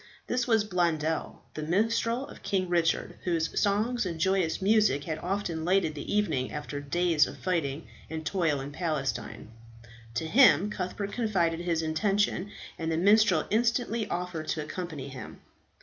This was Blondel, the minstrel of King Richard, whose songs and joyous music had often lightened the evening after days of fighting and toil in Palestine. To him Cuthbert confided his intention, and the minstrel instantly offered to accompany him.